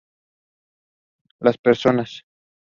Las personas.